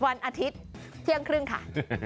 วันอาทิตย์เที่ยงครึ่งค่ะ